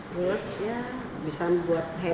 terus ya bisa buat head